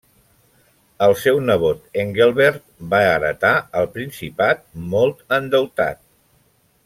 El seu nebot Engelbert va heretar el principat molt endeutat.